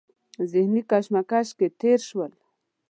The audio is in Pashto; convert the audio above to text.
ذهني کشمکش کې تېر شول.